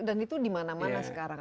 dan itu dimana mana sekarang